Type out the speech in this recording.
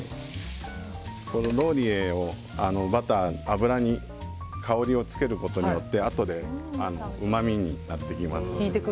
ローリエをバター油に香りをつけることによってあとでうまみになってきます。